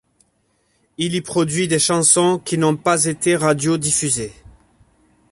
Il y produit des chansons qui n'ont pas été radiodiffusées.